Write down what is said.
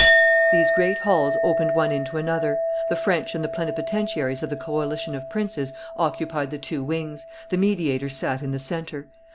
These great halls opened one into another; the French and the plenipotentiaries of the coalition of princes occupied the two wings, the mediators sat in the centre.